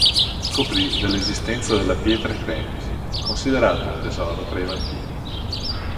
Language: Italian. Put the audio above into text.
Scoprì dell'esistenza della Pietra Cremisi, considerato un tesoro tra i vampiri.